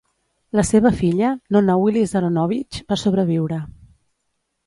La seva filla, Nona Willis-Aronowitz, va sobreviure.